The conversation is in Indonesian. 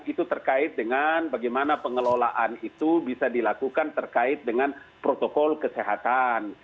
itu terkait dengan bagaimana pengelolaan itu bisa dilakukan terkait dengan protokol kesehatan